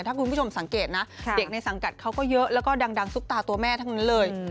ถ้าคุณผู้ชมสังเกตนะเด็กในสังกัดเขาก็เยอะแล้วก็ดังซุปตาตัวแม่ทั้งนั้นเลย